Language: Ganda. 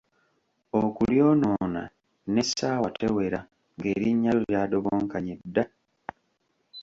Okulyonoona n'essaawa tewera ng'erinnya lyo lyadobonkanye dda!